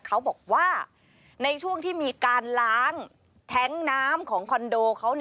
เขาบอกว่าในช่วงที่มีการล้างแท้งน้ำของคอนโดเขา